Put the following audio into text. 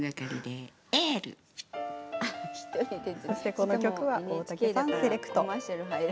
この曲は大竹さんセレクト。